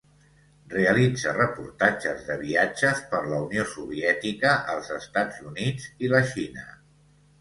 Realitza reportatges de viatges per la Unió Soviètica, els Estats Units i la Xina.